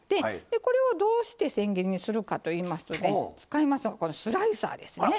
でこれをどうしてせん切りにするかといいますとね使いますのがこのスライサーですね。